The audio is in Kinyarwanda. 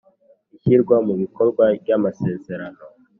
Ishyirwa mu bikorwa ry Amasezerano